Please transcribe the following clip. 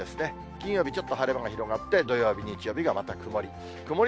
金曜日、ちょっと晴れ間が広がって、土曜日、日曜日がまた曇り。